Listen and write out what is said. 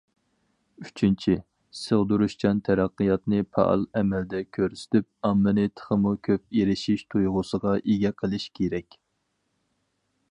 ئۈچىنچى، سىغدۇرۇشچان تەرەققىياتنى پائال ئەمەلدە كۆرسىتىپ، ئاممىنى تېخىمۇ كۆپ ئېرىشىش تۇيغۇسىغا ئىگە قىلىش كېرەك.